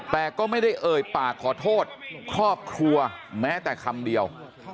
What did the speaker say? แต่ก็ไม่ได้เอ่ยปากขอโทษครอบครัวแม้แต่คำเดียว